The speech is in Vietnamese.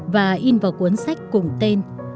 và in vào cuốn sách cùng tên